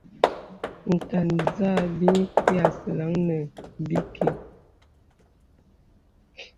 Nkàt zâ bi asɛlə̀ŋ nə̀ bìkì.